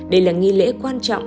đây là nghi lễ quan trọng